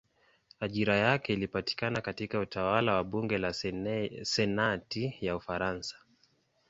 Ajira yake ilipatikana katika utawala wa bunge la senati ya Ufaransa.